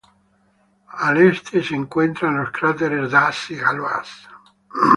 Al este se encuentran los cráteres Das y Galois.